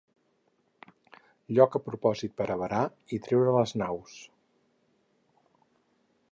Lloc a propòsit per a varar i treure les naus.